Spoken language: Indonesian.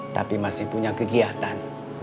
tapi masih punya kegiatan